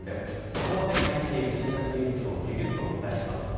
ここまでに入っている新着ニュースをギュギュッとお伝えします。